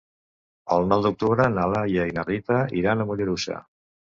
El nou d'octubre na Laia i na Rita iran a Mollerussa.